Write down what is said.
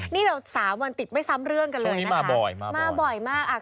นี่เราสามวันติดไม่ซ้ำเรื่องกันเลยนะคะช่วงนี้มาบ่อยมาบ่อยมาบ่อยมาก